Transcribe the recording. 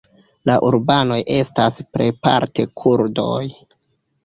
La urbanoj estas plejparte kurdoj.